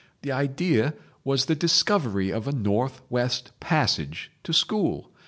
The idea was the discovery of a North West Passage to school.